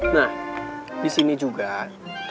nah ini udah udah